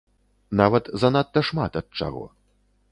Нават занадта шмат ад чаго.